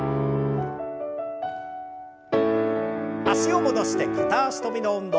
脚を戻して片脚跳びの運動。